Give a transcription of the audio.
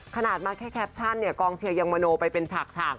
ขนาดมาแค่แคปชั่นเนี่ยกองเชียร์ยังมโนไปเป็นฉาก